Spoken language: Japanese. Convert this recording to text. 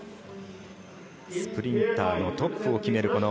スプリンターのトップを決める